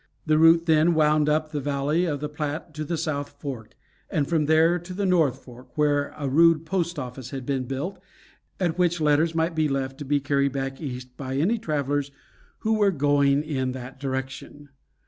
The route then wound up the valley of the Platte to the South Fork, and from there to the North Fork, where a rude post office had been built, at which letters might be left to be carried back east by any travelers who were going in that direction.